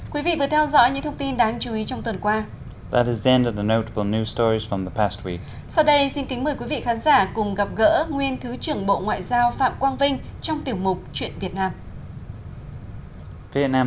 quý vị vừa theo dõi những thông tin đáng chú ý trong tuần qua